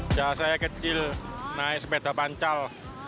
sejak saya kecil naik sepeda pancal